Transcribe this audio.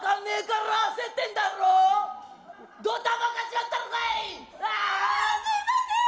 あすいません！